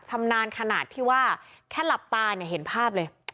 ชำนาญขนาดที่ว่าแค่หลับตาเนี่ยเห็นภาพเลย